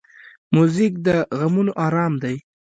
موزیک د غمونو آرام دی.